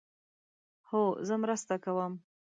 هو، زه مرسته کوم